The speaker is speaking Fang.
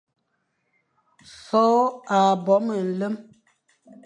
So a bo me nlem,